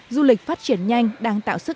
du lịch phát triển nhanh đang tạo sức